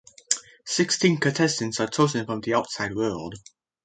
Sixteen contestants are chosen from the outside world.